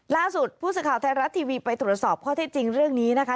ล่าสุดผู้สื่อข่าวไทยรัฐทีวีไปตรวจสอบข้อเท็จจริงเรื่องนี้นะคะ